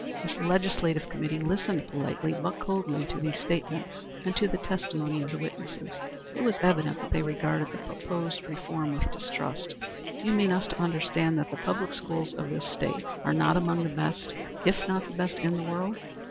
The legislative committee listened politely but coldly to these statements and to the testimony of the witnesses. It was evident that they regarded the proposed reform with distrust. "Do you mean us to understand that the public schools of this State are not among the best, if not the best, in the world?"